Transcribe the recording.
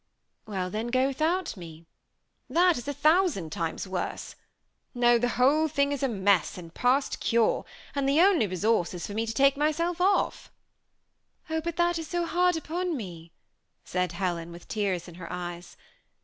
" Well, then, go without me." ^^That is k thousand times worse. No, the whole thing is a mess, and past cure, and the only resource, is, for me to taie myself oflF." " Oh ! but that is so hard upon me," said Helen, with tears in her eyes.